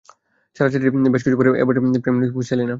ছাড়াছাড়ির বেশ কিছু পরে এবারে সেই প্রেম নিয়ে মুখ খুলেছেন সেলিনা।